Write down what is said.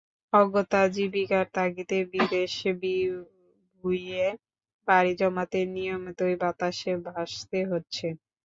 অগত্যা জীবিকার তাগিদে বিদেশ বিভুঁইয়ে পাড়ি জমাতে নিয়মিতই বাতাসে ভাসতে হচ্ছে।